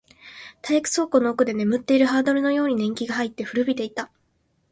体育倉庫の奥で眠っているハードルのように年季が入って、古びていた